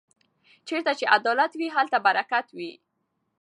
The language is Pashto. چېرته چې عدالت وي هلته برکت وي.